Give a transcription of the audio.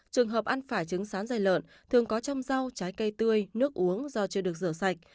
trường hợp ăn phải trứng sán dày lợn thường có trong rau trái cây tươi nước uống do chưa được rửa sạch